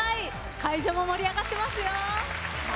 会場も盛り上がっていますよ。